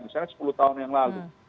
misalnya sepuluh tahun yang lalu